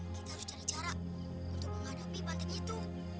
kita harus cari cara untuk menghadapi batik itu